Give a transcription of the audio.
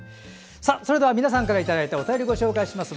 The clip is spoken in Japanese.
それでは皆さんからいただいたお便りをご紹介します